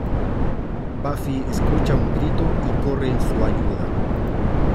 Buffy escucha un grito y corre en su ayuda.